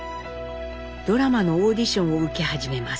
ドラマのオーディションを受け始めます。